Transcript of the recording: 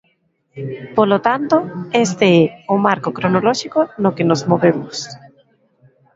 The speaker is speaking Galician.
Polo tanto, este é o marco cronolóxico no que nos movemos.